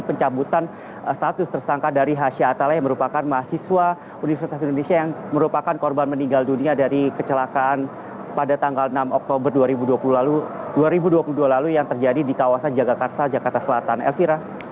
pencabutan status tersangka dari hasha atala yang merupakan mahasiswa universitas indonesia yang merupakan korban meninggal dunia dari kecelakaan pada tanggal enam oktober dua ribu dua puluh dua lalu yang terjadi di kawasan jagakarsa jakarta selatan elvira